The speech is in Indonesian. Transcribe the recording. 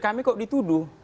kami kok dituduh